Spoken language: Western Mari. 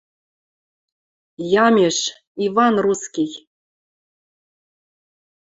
Ямеш. Иван русский